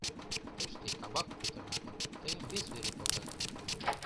Тыште кабак петырна гын, тыйым вес вере колтат.